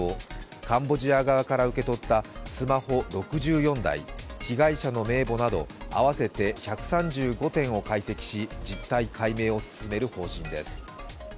カンボジア側から受け取ったスマホ６４台、被害者の名簿など合わせて１３５点を解析し実態解明を進める方針です。